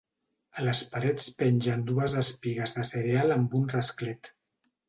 A les parets pengen dues espigues de cereal amb un rasclet.